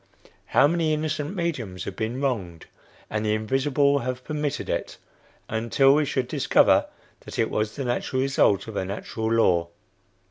How many innocent mediums have been wronged? and the invisible have permitted it, until we should discover that it was the natural result of a natural law."